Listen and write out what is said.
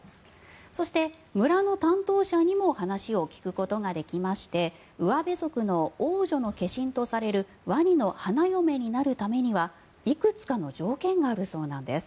そして、村の担当者にも話を聞くことができましてウアベ族の王女の化身とされるワニの花嫁になるためにはいくつかの条件があるそうです。